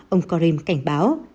ông karim cảnh báo